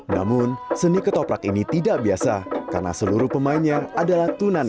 namun seni ketoprak ini tidak biasa karena seluruh pemainnya adalah tunan